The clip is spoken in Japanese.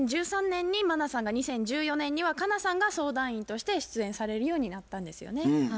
２０１３年に茉奈さんが２０１４年には佳奈さんが相談員として出演されるようになったんですよね。